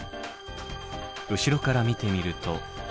後ろから見てみると。